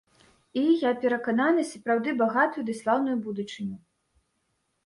І, я перакананы, сапраўды багатую ды слаўную будучыню.